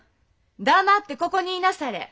黙ってここにいなされ。